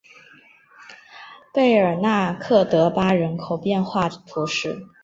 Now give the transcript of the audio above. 贝尔纳克德巴人口变化图示